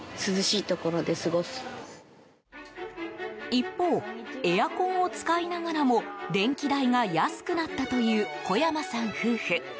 一方、エアコンを使いながらも電気代が安くなったという小山さん夫婦。